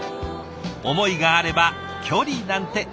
思いがあれば距離なんて。